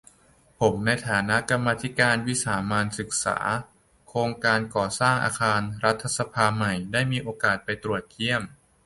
ผมในฐานะกรรมาธิการวิสามัญศึกษาโครงการก่อสร้างอาคารรัฐสภาใหม่ ได้มีโอกาสไปตรวจเยี่ยม